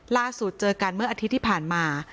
ล่าสุดเจอกันเมื่ออาทิตย์ที่ผ่านมา